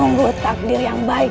sungguh takdir yang baik